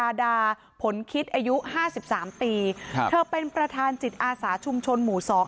ดาดาผลคิดอายุห้าสิบสามปีครับเธอเป็นประธานจิตอาสาชุมชนหมู่สอง